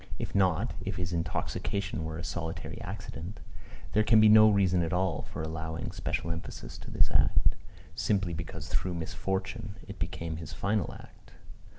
If not, if his intoxication were a solitary accident, there can be no reason at all for allowing special emphasis to this act, simply because through misfortune it became his final act.